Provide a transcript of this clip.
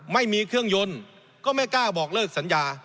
ไม่มีเครื่องยนต์ก็ไม่กล้าบอกเลิกสัญญา